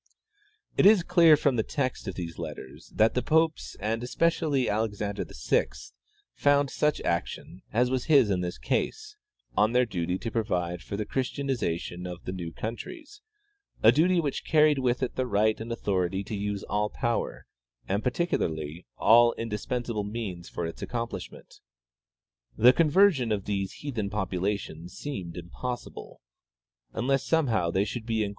" It is clear from the text of these letters that the popes, and especially Alexander VI, founded such action, as was his in this case, on their duty to provide for the christianization of the new countries ; a duty which carried with it the right and authority to use all power, and particularly all indispensable means for its accomplishment. The conversion of these heathen popula tions seemed impossible, unless somehow they should be incor 204 W.